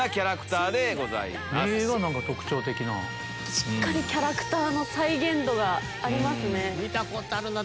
しっかりキャラクターの再現度がありますね。